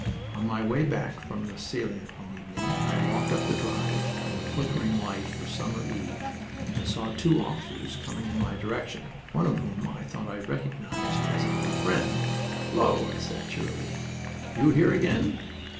On my way back from the salient one evening I walked up the drive in the flickering light of summer eve, and saw two officers coming in my direction, one of whom I thought I recognized as an old friend. "Hullo!" I said, cheerily. "You here again?"